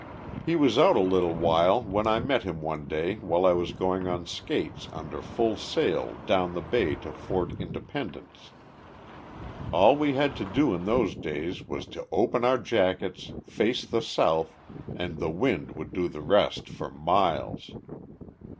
He was out a little while when I met him one day while I was going on skates under full sail down the bay to Fort Inde pendence. All we had to do in those days was to open our jackets, face the south, and the wind would do the rest for miles.